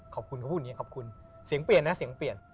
ขอบคุณเขาพูดอย่างนี้ขอบคุณเสียงเปลี่ยนนะเสียงเปลี่ยน